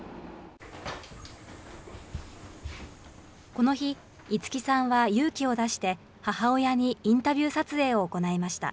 この日、樹さんは勇気を出して母親にインタビュー撮影を行いました。